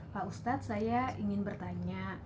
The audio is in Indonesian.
pak ustadz saya ingin bertanya